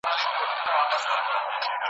شعرونه د یادولو وړ دي !.